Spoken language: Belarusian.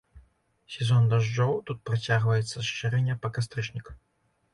Сезон дажджоў тут працягваецца з чэрвеня па кастрычнік.